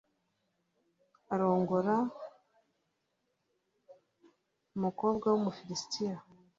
arongora umukobwa w’umufilisitiyakazi